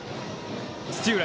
土浦